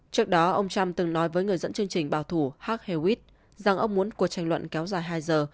trước đó ông trump từng nói với người dẫn chương trình bảo thủ h h witt rằng ông muốn cuộc tranh luận kéo dài hai giờ